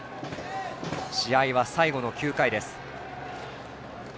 試合は最後の９回です。